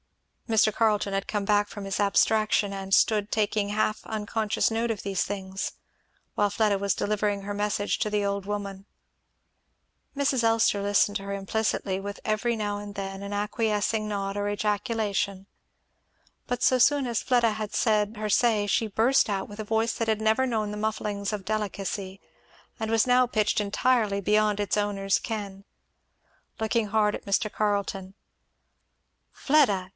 Mr. Carleton had come back from his abstraction, and stood taking half unconscious note of these things, while Fleda was delivering her message to the old woman. Mrs. Elster listened to her implicitly with every now and then an acquiescing nod or ejaculation, but so soon as Fleda had said her say she burst out, with a voice that had never known the mufflings of delicacy and was now pitched entirely beyond its owner's ken. Looking hard at Mr. Carleton, "Fleda!